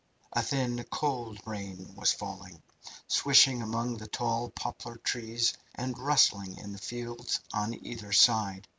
A thin, cold rain was falling, swishing among the tall poplar trees and rustling in the fields on either side.